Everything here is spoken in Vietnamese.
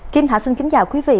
kim thảo xin kính chào quý vị